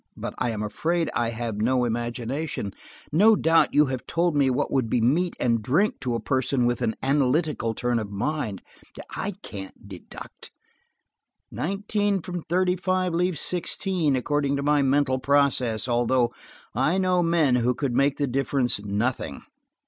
"But I am afraid I have no imagination. No doubt what you have told me would be meat and drink to a person with an analytical turn of mind. I can't deduct. Nineteen from thirty five leaves sixteen, according to my mental process, although I know men who could make the difference nothing."